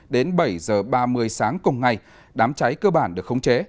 đến bảy h ba mươi sáng cùng ngày đám cháy cơ bản được khống chế